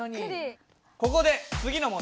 ここで次の問題です。